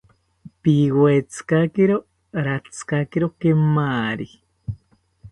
Piwetzikakiro ratzikakiro kemari